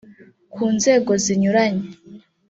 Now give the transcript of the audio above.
ku nzego zinyuranye